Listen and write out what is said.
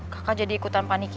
kakak jadi ikutan paniknya